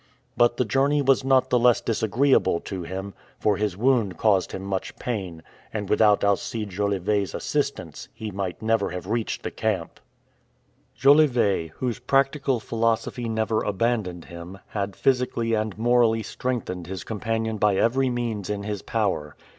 But the journey was not the less disagreeable to him, for his wound caused him much pain, and without Alcide Jolivet's assistance he might never have reached the camp. Jolivet, whose practical philosophy never abandoned him, had physically and morally strengthened his companion by every means in his power.